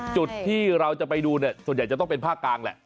จุดที่เราจะไปดูเนี่ยส่วนใหญ่จะต้องเป็นภาคกลางแหละ